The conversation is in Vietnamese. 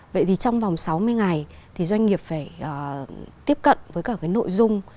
vậy thì trong vòng sáu mươi ngày doanh nghiệp phải tiếp cận với cả nội dung